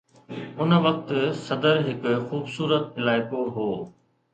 ان وقت صدر هڪ خوبصورت علائقو هو.